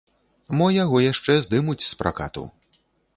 Мо яго яшчэ здымуць з пракату.